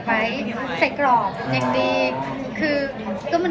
เป็นดอกไม้แห้ง